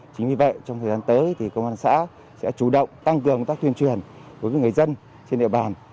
chính vì vậy trong thời gian tới thì công an xã sẽ chủ động tăng cường công tác tuyên truyền đối với người dân trên địa bàn